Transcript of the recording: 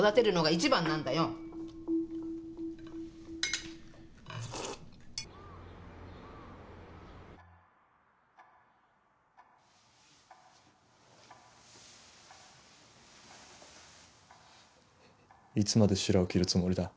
いつまでしらを切るつもりだ？